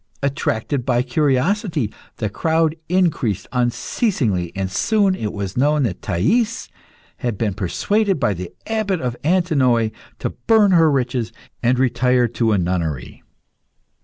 Attracted by curiosity, the crowd increased unceasingly, and soon it was known that Thais had been persuaded by the Abbot of Antinoe to burn her riches and retire to a nunnery.